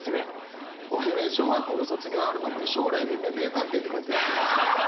俺ね小学校の卒業アルバムに「将来の夢名探偵」って書いてあった。